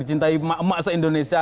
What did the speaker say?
cintai emak emak se indonesia